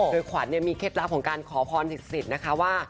โดยขวัญมีเคล็ดลับของการขอพรสิทธิ์นะคะว่า